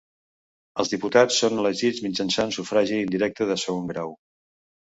Els diputats són elegits mitjançant sufragi indirecte de segon grau.